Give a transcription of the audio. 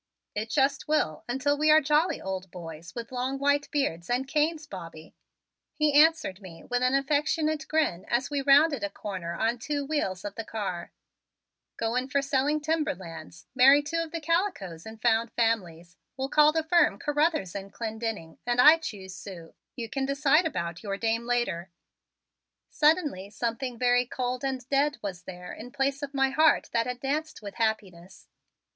"It just will until we are jolly old boys with long white beards and canes, Bobby," he answered me with an affectionate grin as we rounded a corner on two wheels of the car. "Say, let's get out of this politics soon, go in for selling timber lands, marry two of the calicoes and found families. We'll call the firm Carruthers and Clendenning and I choose Sue. You can decide about your dame later." Suddenly something very cold and dead was there in place of my heart that had danced with happiness.